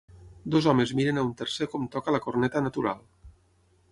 Dos homes miren a un tercer com toca la corneta natural.